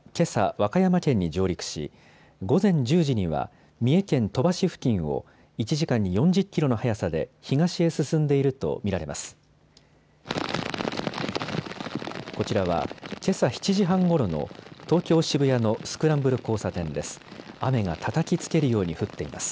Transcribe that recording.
和歌山県に上陸し午前１０時には三重県鳥羽市付近を１時間に４０キロの速さで東へ進んでいると見られます。